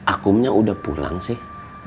akumnya udah pulang sih